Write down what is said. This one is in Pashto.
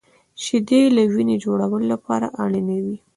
• شیدې د وینې جوړولو لپاره اړینې وي.